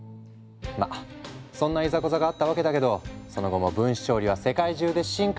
まあそんないざこざがあったわけだけどその後も分子調理は世界中で進化を続けている。